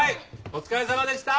お疲れさまでした。